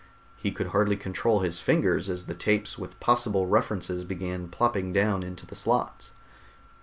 He could hardly control his fingers as the tapes with possible references began plopping down into the slots.